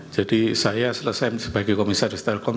jadi saya selesai sebagai komisar di stelkom